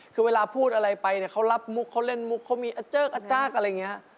คือเวลาพูดอะไรไปเนี่ยเขารับมุกเขาเล่นมุกเขามีอาเจิ๊กอาจักรอะไรอย่างนี้